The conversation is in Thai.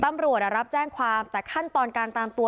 ตำรวจรับแจ้งความแต่ขั้นตอนการตามตัว